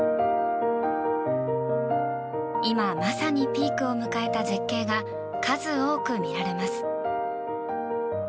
今、まさにピークを迎えた絶景が数多く見られます。